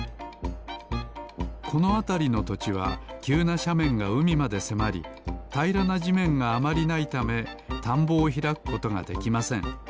このあたりのとちはきゅうなしゃめんがうみまでせまりたいらなじめんがあまりないためたんぼをひらくことができません。